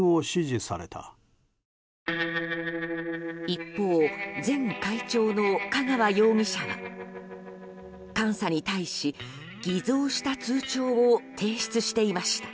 一方、前会長の香川容疑者は監査に対し偽造した通帳を提出していました。